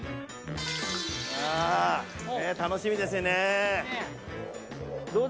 楽しみですね。